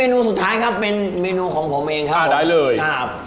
เมนูสุดท้ายครับเป็นเมนูของผมเองครับครับ